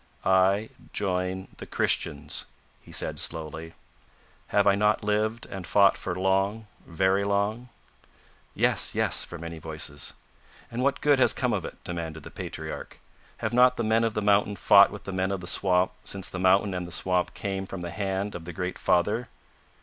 "I join the Christians," he said, slowly. "Have I not lived and fought for long very long?" "Yes, yes," from many voices. "And what good has come of it?" demanded the patriarch. "Have not the men of the Mountain fought with the men of the Swamp since the Mountain and the Swamp came from the hand of the Great Father?"